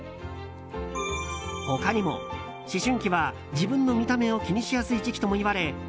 他にも、思春期は自分の見た目を気にしやすい時期ともいわれ